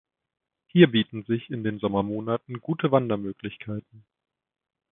Hier bieten sich in den Sommermonaten gute Wandermöglichkeiten.